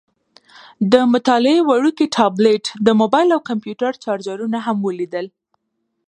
د مطالعې وړوکی ټابلیټ، د موبایل او کمپیوټر چارجرونه هم ولیدل.